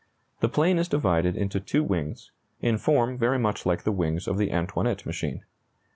The plane is divided into two wings, in form very much like the wings of the Antoinette machine.